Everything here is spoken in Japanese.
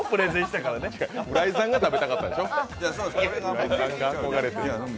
浦井さんが食べたかったんでしょう？